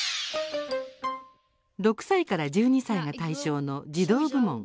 ６歳から１２歳が対象の児童部門。